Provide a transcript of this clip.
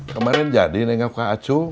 kemarin jadi nih ngapain aku